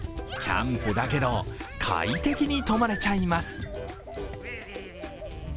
キャンプだけど快適に泊まれちゃいます。